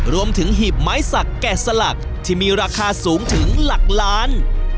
หีบไม้สักแกะสลักที่มีราคาสูงถึงหลักล้าน